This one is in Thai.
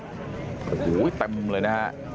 โอ้โหเต็มเลยนะฮะ